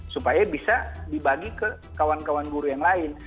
supaya bisa dibagi ke kawan kawan guru yang lain